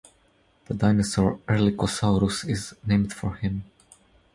The dinosaur "Erlikosaurus" is named for him.